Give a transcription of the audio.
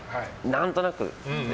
何となくで。